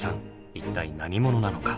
一体何者なのか？